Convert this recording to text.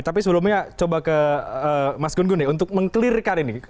tapi sebelumnya coba ke mas gun gun deh untuk meng clearkan ini